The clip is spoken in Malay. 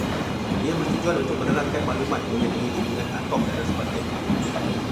Ia bertujuan untuk menerangkan maklumat mengenai hubungan atom dalam sebatian kimia